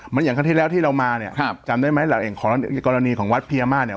อย่างครั้งที่แล้วที่เรามาเนี่ยครับจำได้ไหมหลักอย่างของกรณีของวัดเพียมาเนี่ย